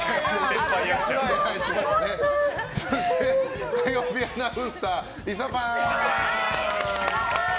そして、火曜日アナウンサーはリサパン。